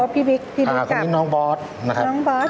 อ๋อพี่บิ๊กพี่บิ๊กครับนี่น้องบอสนะครับน้องบอส